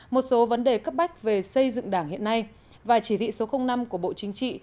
một số vấn đề cấp bách về xây dựng đảng hiện nay và chỉ thị số năm của bộ chính trị